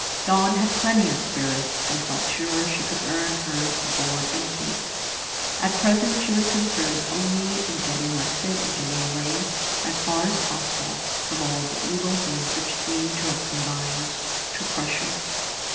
Dawn had plenty of spirit, and felt sure she could earn her "board and keep." At present, she was concerned only in getting rested and getting away as far as possible from all the evil things which seemed to have combined to crush her.